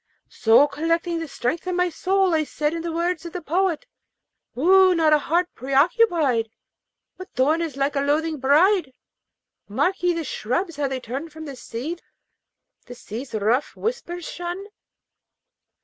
So, collecting the strength of my soul, I said, in the words of the poet: 'Woo not a heart preoccupied! What thorn is like a loathing bride? Mark ye the shrubs how they turn from the sea, The sea's rough whispers shun?